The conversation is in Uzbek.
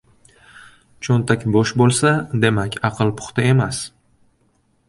• Cho‘ntak bo‘sh bo‘lsa, demak, aql puxta emas.